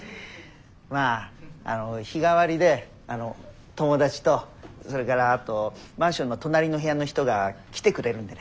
まあ日替わりで友達とそれからあとマンションの隣の部屋の人が来てくれるんでね。